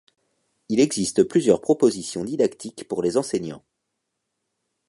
Il existe plusieurs propositions didactiques pour les enseignants.